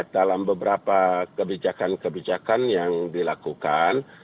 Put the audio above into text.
dalam beberapa kebijakan kebijakan yang dilakukan